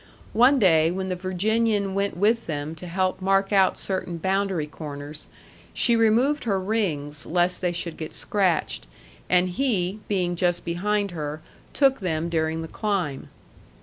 One day when the Virginian went with them to help mark out certain boundary corners, she removed her rings lest they should get scratched; and he, being just behind her, took them during the climb.